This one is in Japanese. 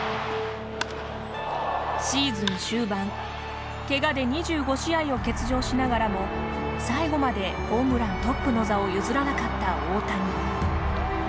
シーズン終盤けがで２５試合を欠場しながらも最後までホームラントップの座を譲らなかった大谷。